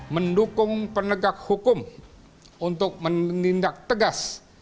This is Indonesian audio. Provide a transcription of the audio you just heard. mendukung penegak hukum untuk menindak tegas